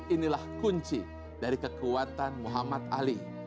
inilah kunci dari kekuatan muhammad ali